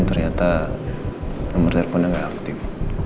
ternyata nomor teleponnya nggak aktif